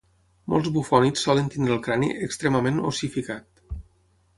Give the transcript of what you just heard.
Molts bufònids solen tindre el crani extremament ossificat.